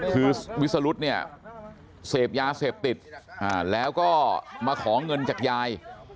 คือวิสรุธเนี่ยเสพยาเสพติดแล้วก็มาขอเงินจากยาย